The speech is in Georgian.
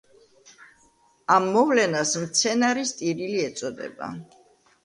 ამ მოვლენას მცენარის ტირილი ეწოდება.